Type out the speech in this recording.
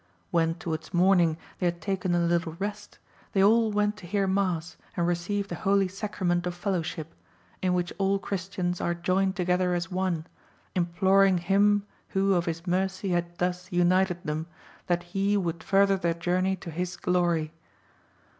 When towards morning they had taken a little rest, they all went to hear mass and receive the holy sacrament of fellowship, in which all Christians are joined together as one, imploring Him who of His mercy had thus united them, that He would further their journey to His glory.